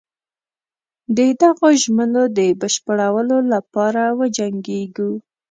د دغو ژمنو د بشپړولو لپاره وجنګیږو.